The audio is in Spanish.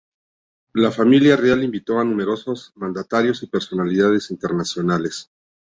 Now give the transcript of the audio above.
La familia real invitó a numerosos mandatarios y personalidades internacionales.